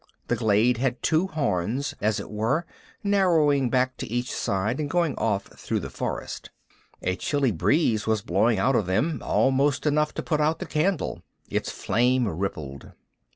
The glade had two horns, as it were, narrowing back to either side and going off through the forest. A chilly breeze was blowing out of them, almost enough to put out the candle. Its flame rippled.